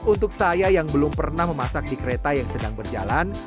untuk saya yang belum pernah memasak di kereta yang sedang berjalan